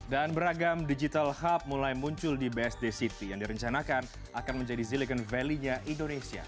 dan beragam digital hub mulai muncul di bsd city yang direncanakan akan menjadi silicon valley nya indonesia